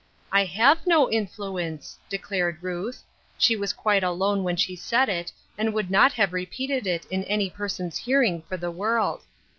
" I have no influ ence, " declared Ruth ; she was quite alone when she said it, and would not have repeated it in any person's hearing for the world.